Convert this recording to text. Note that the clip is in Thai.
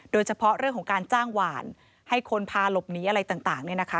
โดยเฉพาะเรื่องของการจ้างหวานให้คนพาหลบหนีอะไรต่างเนี่ยนะคะ